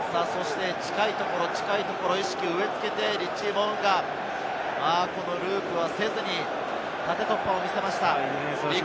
近いところ近いところに意識を植え付けて、リッチー・モウンガ、縦突破を見せました。